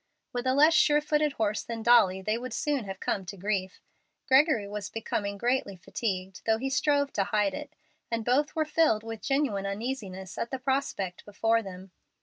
With a less sure footed horse than Dolly they would soon have come to grief. Gregory was becoming greatly fatigued, though he strove to hide it, and both were filled with genuine uneasiness at the prospect before them.